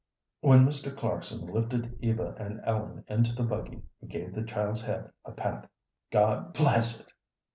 When Mr. Clarkson lifted Eva and Ellen into the buggy he gave the child's head a pat. "God bless it!"